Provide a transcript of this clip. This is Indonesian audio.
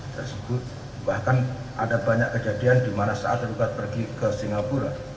tersebut bahkan ada banyak kejadian dimana saat tergugat pergi ke singapura